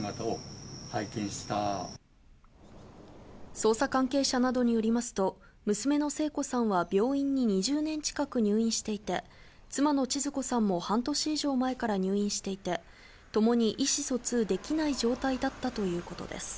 捜査関係者などによりますと、娘の聖子さんは病院に２０年近く入院していて、妻のちづ子さんも半年以上前から入院していて、共に意思疎通できない状態だったということです。